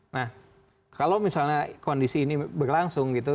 nah kalau misalnya kondisi ini berlangsung gitu